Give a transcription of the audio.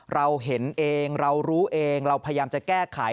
เราเห็นเองเรารู้เองเราพยายามจะแก้ไข